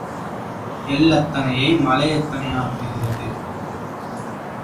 எள் அத்தனையை மலை அத்தனை ஆக்குகிறது.